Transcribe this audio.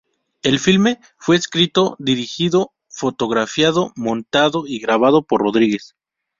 El filme fue escrito, dirigido, fotografiado, montado y grabado por Rodriguez.